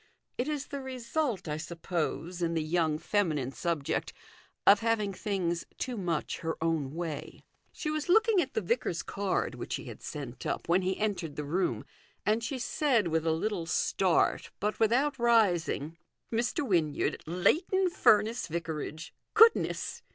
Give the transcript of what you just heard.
It is the result, I suppose, in the young feminine subject of having things too much her own way. She was looking at the vicar's card, which he had sent up, when he entered the room, and she said, with a little start, but without rising " Mr. Wynyard, Leighton Furness Vicarage. Goodness